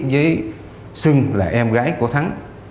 với xuân là em gái của thắng